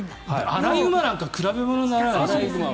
アライグマなんて全然比較にならない。